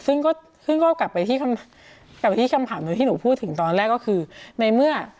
ซึ่งก็กลับไปที่คำถามหนูที่หนูพูดถึงตอนแรกว่าที่ครั้งแรกก็คือ